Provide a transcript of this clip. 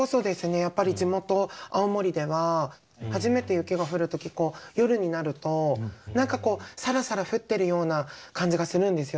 やっぱり地元青森では初めて雪が降る時夜になると何かこうさらさら降ってるような感じがするんですよ